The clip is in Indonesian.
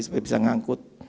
supaya bisa mengangkut